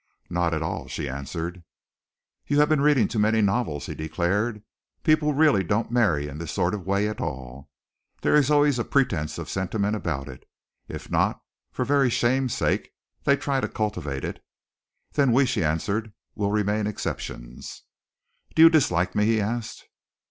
"Not at all," she answered. "You have been reading too many novels," he declared. "People really don't marry in this sort of way at all. There is always a pretence of sentiment about it. If not, for very shame's sake, they try to cultivate it." "Then we," she answered, "will remain exceptions." "Do you dislike me?" he asked.